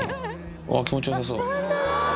うわ気持ちよさそう。